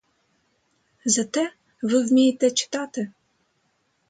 Зате ви вмієте читати.